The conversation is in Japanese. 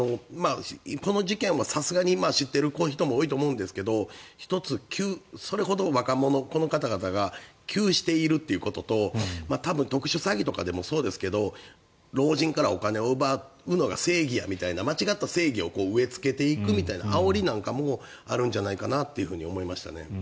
この事件は、さすがに知っている人も多いと思うんですけど１つ、それほどこの方々が窮しているということと多分、特殊詐欺とかでもそうですけど老人からお金を奪うのが正義やみたいな間違った正義を植えつけていくみたいなあおりなんかもあるんじゃないかなと思いましたね。